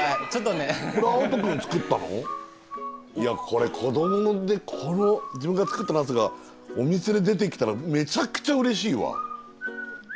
これ子どもで自分が作ったナスがお店で出てきたらめちゃくちゃうれしいわ。